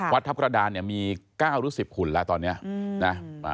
วัดทัพกระดานเนี่ยมี๙รูปถึง๑๐หุ่นละตอนนี้